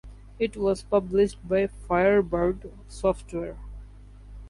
It was published by Firebird Software.